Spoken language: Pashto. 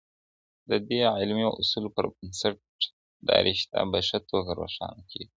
د دې علمي اصولو پر بنسټ دا رشته په ښه توګه روښانه کېږي.